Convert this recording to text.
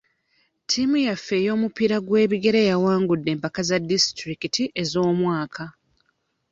Ttiimu yaffe ey'omupiira gw'ebigere ewangudde empaka za disitulikiti ez'omwaka.